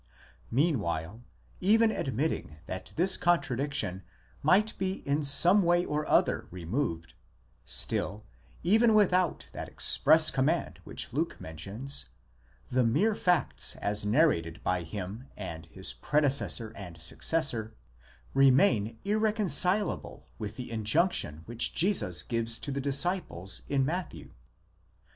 Meanwhile, even admitting that this contradiction might be in some way or other removed, still, even without that express command which Luke men tions, the mere facts as narrated by him and his predecessor and successor, remain irreconcilable with the injunction which Jesus gives to the disciples in Matthew.